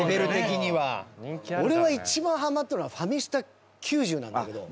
裕二：俺は一番ハマってるのは『ファミスタ’９０』なんだけど。